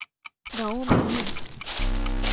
گاؤں میں ہوں۔